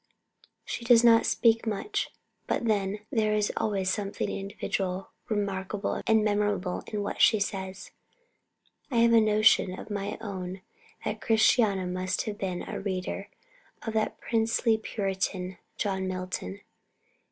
She does not speak much; but, then, there is always something individual, remarkable, and memorable in what she says. I have a notion of my own that Christiana must have been a reader of that princely Puritan, John Milton.